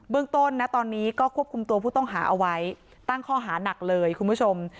เรื่องต้นนะตอนนี้ก็ควบคุมตัวผู้ต้องหาเอาไว้ตั้งข้อหานักเลยคุณผู้ชม